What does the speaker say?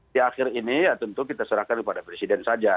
di akhir ini ya tentu kita serahkan kepada presiden saja